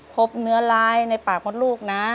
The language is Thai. พบเนื้อร้ายในปากมดลูกนะ